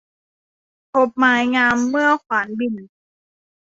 พบไม้งามเมื่อขวานบิ่น